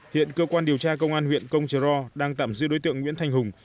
hiện cơ quan điều tra công an huyện công trờ ro đang tạm giữ đối tượng nguyễn thanh hùng